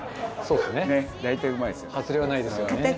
そうですね。